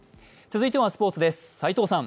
続いてはスポーツです。